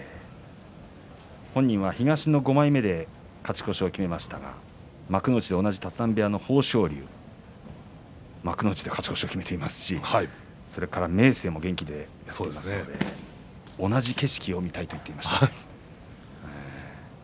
本人は東の５枚目で勝ち越しを決めましたが幕内で立浪部屋の豊昇龍幕内で勝ち越しを昨日、決めていますし明生も元気で同じ景色を見たいと言っていました。